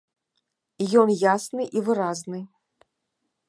Ён ясны і выразны.